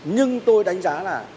nhưng tôi đánh giá là